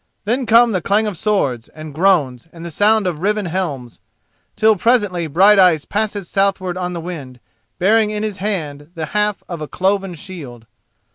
Then come the clang of swords, and groans, and the sound of riven helms, till presently Brighteyes passes southward on the wind, bearing in his hand the half of a cloven shield.